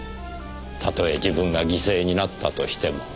たとえ自分が犠牲になったとしても。